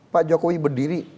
pak jokowi berdiri